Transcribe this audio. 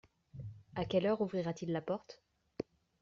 À quelle heure ouvrira-t-il la porte ?